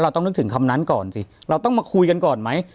ต้องนึกถึงคำนั้นก่อนสิเราต้องมาคุยกันก่อนไหม